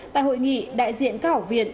tại hội nghị đại diện các học viện